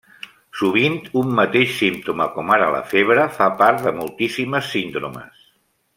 Sovint un mateix símptoma, com ara la febre fa part de moltíssimes síndromes.